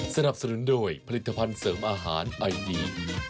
สนับสนุนโดยผลิตภัณฑ์เสริมอาหารไอดี